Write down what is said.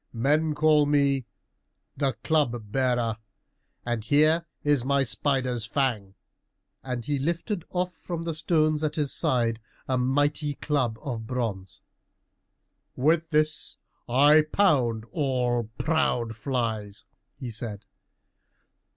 "Men call me the Club bearer, and here is my spider's fang," and he lifted off from the stones at his side a mighty club of bronze. "With this I pound all proud flies," he said.